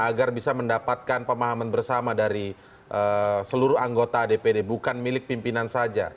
agar bisa mendapatkan pemahaman bersama dari seluruh anggota dpd bukan milik pimpinan saja